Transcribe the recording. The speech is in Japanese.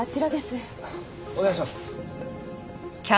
お願いします。